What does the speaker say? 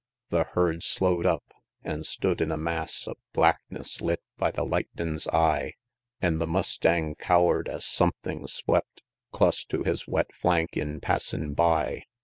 LI. The herd slow'd up; an' stood in a mass Of blackness, lit by the lightnin's eye: An' the mustang cower'd es something swept Clus to his wet flank in passin' by.